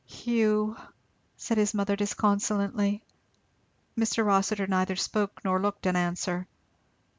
"Hugh!" said his mother disconsolately. Mr. Rossitur neither spoke nor looked an answer.